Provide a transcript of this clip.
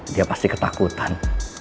dia pasti ketakutan